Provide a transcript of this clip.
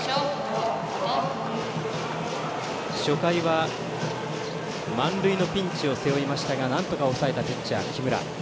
初回は満塁のピンチを背負いましたがなんとか抑えたピッチャー、木村。